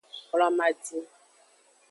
Hlomadin.